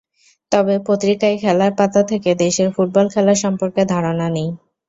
তবে পত্রিকায় খেলার পাতা থেকে দেশের ফুটবল খেলা সম্পর্কে ধারণা নিই।